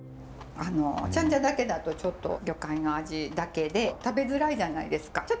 あのチャンジャだけだとちょっと魚介の味だけで食べづらいじゃないですか。